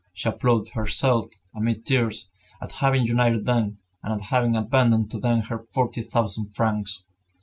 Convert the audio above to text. She applauded herself, amid tears, at having united them, and at having abandoned to them her forty thousand francs.